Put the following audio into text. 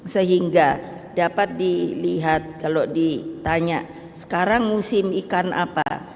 sehingga dapat dilihat kalau ditanya sekarang musim ikan apa